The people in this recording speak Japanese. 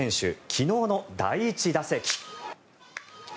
昨日の第１打席。